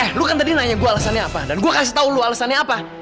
lu kan tadi nanya gue alasannya apa dan gue kasih tau lo alasannya apa